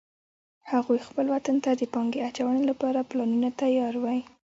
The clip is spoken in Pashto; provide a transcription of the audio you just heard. هغوی خپل وطن ته د پانګې اچونې لپاره پلانونه تیار وی